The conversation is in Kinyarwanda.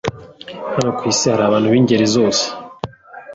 Hano ku isi hariho abantu b'ingeri zose.